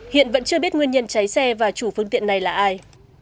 hiện vẫn chưa biết nguyên nhân cháy xe và chủ phương tiện này là ai